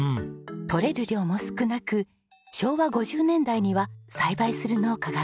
とれる量も少なく昭和５０年代には栽培する農家が減少。